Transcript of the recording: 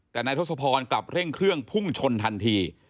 แต่นายทศพรกลับเร่งเครื่องพุ่งชนทันที